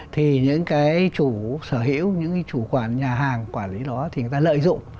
thì những cái chủ sở hữu những cái chủ quản nhà hàng quản lý đó thì người ta lợi dụng